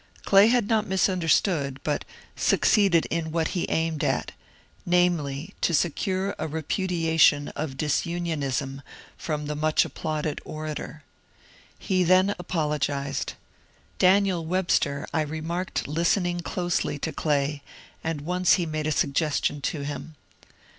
Clay had not misunderstood, but suc ceeded in what he aimed at ; namely, to secure a repudia tion of ^^ disunionism " from the much applauded orator. He then apologized. Daniel Webster I remarked listening closely to Clay, and once he made a suggestion to him.